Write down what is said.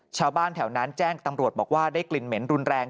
ชาวบ้านแถวนั้นแจ้งตำรวจบอกว่าได้กลิ่นเหม็นรุนแรง